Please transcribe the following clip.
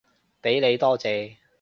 畀你，多謝